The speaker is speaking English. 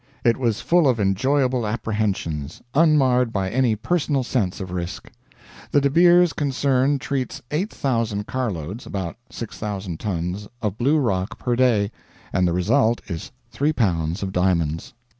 It was full of enjoyable apprehensions, unmarred by any personal sense of risk. The De Beers concern treats 8,000 carloads about 6,000 tons of blue rock per day, and the result is three pounds of diamonds.